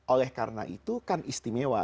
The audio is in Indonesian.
oleh karena itu kan istimewa